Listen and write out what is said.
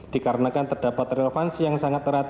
dikarenakan terdapat relevansi yang sangat erat